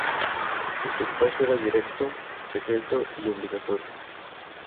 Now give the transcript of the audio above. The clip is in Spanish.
El sufragio era directo, secreto, y obligatorio.